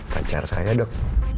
pacar saya dok